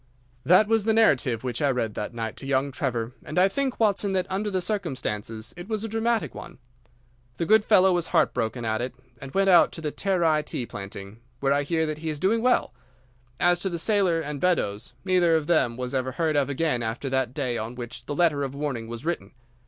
"That was the narrative which I read that night to young Trevor, and I think, Watson, that under the circumstances it was a dramatic one. The good fellow was heartbroken at it, and went out to the Terai tea planting, where I hear that he is doing well. As to the sailor and Beddoes, neither of them was ever heard of again after that day on which the letter of warning was written.